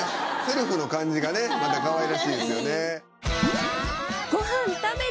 セルフの感じがねまたかわいらしいですよね。